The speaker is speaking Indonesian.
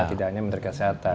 tidak hanya menteri kesehatan